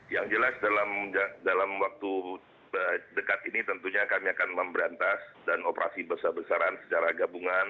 yang jelas dalam waktu dekat ini tentunya kami akan memberantas dan operasi besar besaran secara gabungan